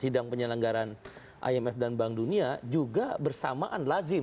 sidang penyelenggaraan imf dan bank dunia juga bersamaan lazim